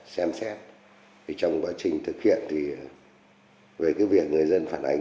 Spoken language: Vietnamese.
xin chào và hẹn gặp lại